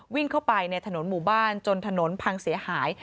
วิ่งเข้าไปในถนนหมู่บ้านจนถนนพังเสียหาย